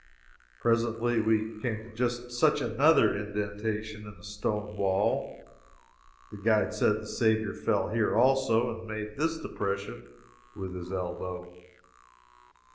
Presently we came to just such another indention in a stone wall. The guide said the Saviour fell here, also, and made this depression with his elbow.